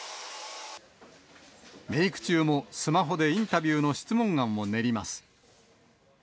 メーク中もスマホでインタビューの質問案を練ります。